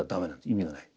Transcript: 意味がない。